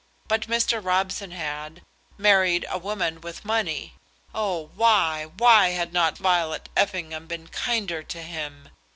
But Mr. Robson had married a woman with money. Oh, why, why, had not Violet Effingham been kinder to him?